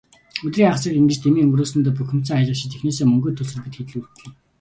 Өдрийн хагасыг ингэж дэмий өнгөрөөсөндөө бухимдсан аялагчид эхнээсээ мөнгөө төлсөөр, бид хэд л үлдлээ.